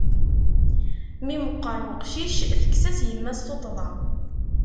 Mi meqqer uqcic, tekkes-as yemma-s tuṭṭḍa.